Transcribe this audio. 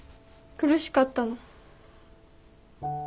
苦しかったの。